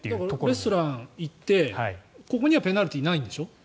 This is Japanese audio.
レストランに行ってここにはペナルティーないんでしょ？